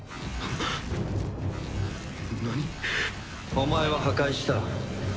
お前は破壊した。